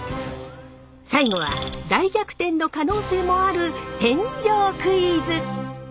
最後は大逆転の可能性もある返上クイズ！